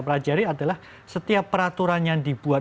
pelajari adalah setiap peraturan yang dibuat